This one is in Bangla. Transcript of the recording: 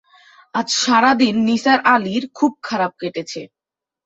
আজ সারা দিন নিসার আলির খুব খারাপ কেটেছে।